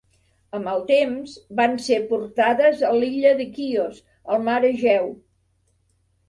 Amb el temps, van ésser portades a l'illa de Quios, al mar Egeu.